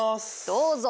どうぞ。